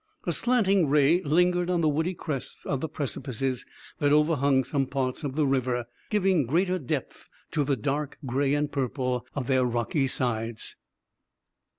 A slanting ray lingered on the woody crests of the precipices that overhung some parts of the river, giving greater depth to the dark gray and purple of their rocky sides.